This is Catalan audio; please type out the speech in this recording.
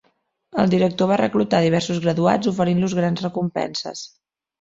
El director va reclutar diversos graduats oferint-los grans recompenses.